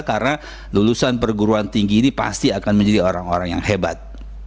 karena lulusan perguruan tinggi ini pasti akan menjadi orang orang yang hebat